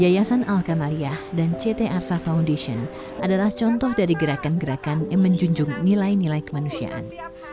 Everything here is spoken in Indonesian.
yayasan al kamaliyah dan ct arsa foundation adalah contoh dari gerakan gerakan yang menjunjung nilai nilai kemanusiaan